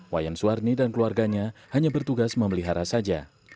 wayan suwarni dan keluarganya hanya bertugas memelihara saja